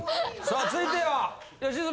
さあ続いては吉住。